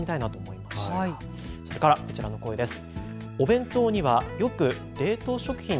それから、こちらの声です。